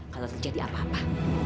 kalau terjadi apa apa